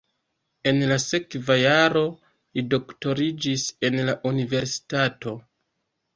En la sekva jaro li doktoriĝis en la universitato.